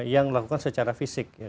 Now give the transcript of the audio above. yang melakukan secara fisik